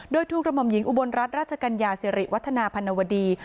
โดยถูกกระหม่อมหญิงอุบลรัฐราชกัญญาสิริวัฒนาพันวดี